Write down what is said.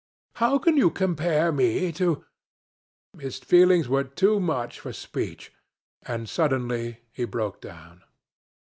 How can you compare me to ...?' His feelings were too much for speech, and suddenly he broke down.